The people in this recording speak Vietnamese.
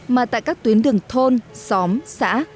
mà tại các tuyến đường thôn xóm đường xã hội